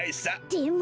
でも。